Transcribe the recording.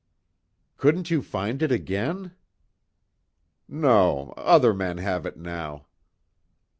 "Couldn't you find it again?" "No. Other men have it, now."